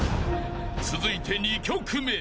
［続いて２曲目］